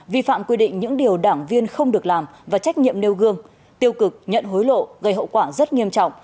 vi phạm quy định những điều đảng viên không được làm và trách nhiệm nêu gương tiêu cực nhận hối lộ gây hậu quả rất nghiêm trọng